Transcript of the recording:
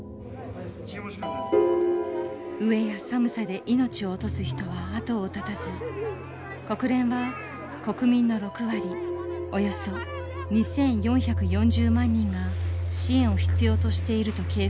飢えや寒さで命を落とす人は後を絶たず国連は国民の６割およそ２，４４０万人が支援を必要としていると警告。